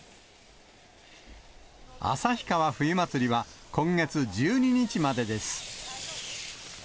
旭川冬まつりは、今月１２日までです。